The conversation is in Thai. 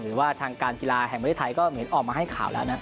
หรือว่าทางการกีฬาแห่งประเทศไทยก็เหมือนออกมาให้ข่าวแล้วนะ